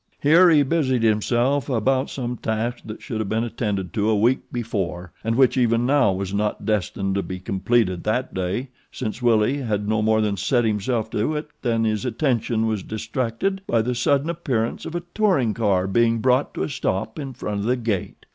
Here he busied himself about some task that should have been attended to a week before, and which even now was not destined to be completed that day, since Willie had no more than set himself to it than his attention was distracted by the sudden appearance of a touring car being brought to a stop in front of the gate.